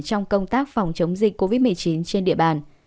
trong công tác phòng chống dịch covid một mươi chín trên địa bàn